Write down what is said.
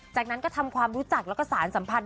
จากนั้นก็ทำความรู้จักแล้วก็สารสัมพันธ